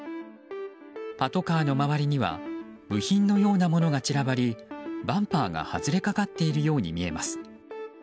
パトカーの周りには部品のようなものが散らばりバンパーが外れかかっているように見えます。